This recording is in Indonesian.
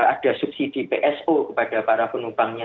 ada subsidi pso kepada para penumpangnya